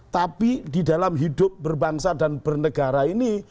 tapi di dalam hidup berbangsa dan bernegara ini